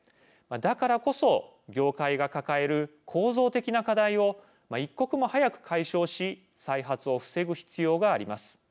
だからこそ、業界が抱える構造的な課題を一刻も早く解消し再発を防ぐ必要があります。